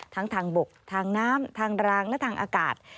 ทางบกทางน้ำทางรางและทางอากาศ